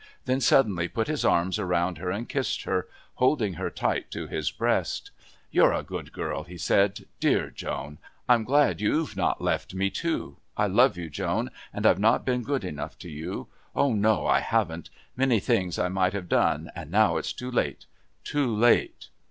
Then suddenly put his arms around her and kissed her, holding her tight to his breast. "You're a good girl," he said. "Dear Joan! I'm glad you've not left me too. I love you, Joan, and I've not been good enough to you. Oh, no, I haven't! Many things I might have done, and now it's too late...too late..."